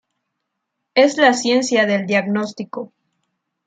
Es la ciencia del diagnóstico.